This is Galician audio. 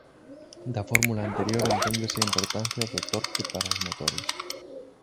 Da fórmula anterior enténdese a importancia do torque para os motores.